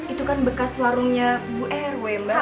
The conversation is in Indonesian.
itu kan bekas warungnya bu rw mbak